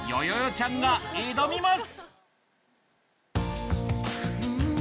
ちゃんが挑みます